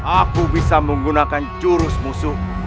aku bisa menggunakan jurus musuh